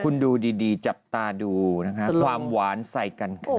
คุณดูดีจับตาดูนะคะความหวานใส่กันคือ